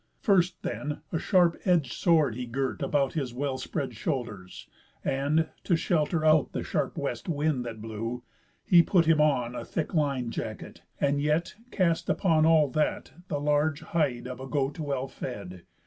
First then, a sharp edg'd sword he girt about His well spread shoulders, and (to shelter out The sharp West wind that blew) he put him on A thick lin'd jacket, and yet cast upon All that the large hide of a goat well fed.